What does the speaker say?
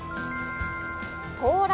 到来！